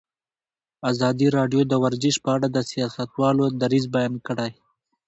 ازادي راډیو د ورزش په اړه د سیاستوالو دریځ بیان کړی.